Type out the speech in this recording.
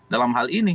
dalam hal ini